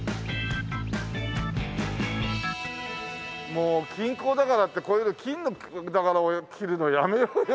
もう金鉱だからってこういうの金の着るのやめようよ。